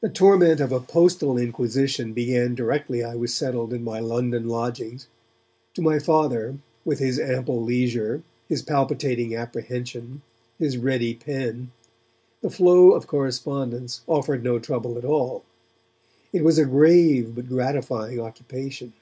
The torment of a postal inquisition began directly I was settled in my London lodgings. To my Father with his ample leisure, his palpitating apprehension, his ready pen the flow of correspondence offered no trouble at all; it was a grave but gratifying occupation.